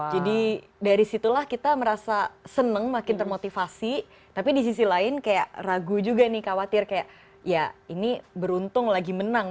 jadi dari situlah kita merasa seneng makin termotivasi tapi di sisi lain kayak ragu juga nih khawatir kayak ya ini beruntung lagi menang